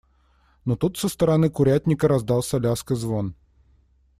Но тут со стороны курятника раздался лязг и звон.